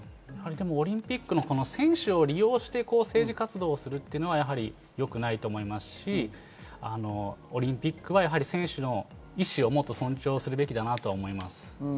オリンピックの選手を利用して政治活動をするというのは良くないと思いますし、オリンピックは選手の意志もっと尊重するべきだなと思います。